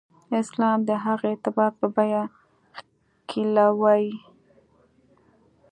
اسلام د هغه اعتبار په بیه ښکېلوي.